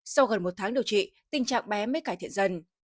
sau gần một tháng điều trị tình trạng bé mới cải thiện dần